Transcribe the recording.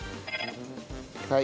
はい。